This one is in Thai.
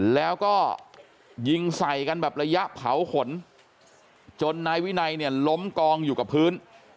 แล้วก็ยิงใส่กันแบบระยะเผาขนจนนายวินัยเนี่ยล้มกองอยู่กับพื้น